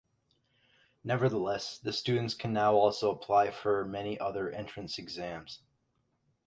Nevertheless, the students can now also apply for many other entrance exams.